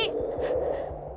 ikan lah western